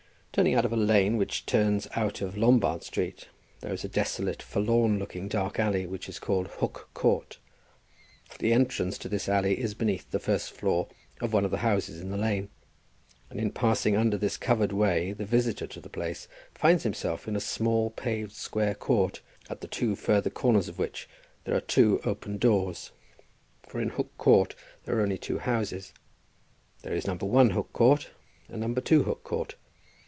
Turning out of a lane which turns out of Lombard Street, there is a desolate, forlorn looking, dark alley, which is called Hook Court. The entrance to this alley is beneath the first floor of one of the houses in the lane, and in passing under this covered way the visitor to the place finds himself in a small paved square court, at the two further corners of which there are two open doors; for in Hook Court there are only two houses. There is No. 1, Hook Court, and No. 2, Hook Court.